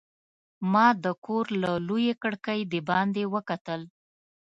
ما د کور له لویې کړکۍ د باندې وکتل.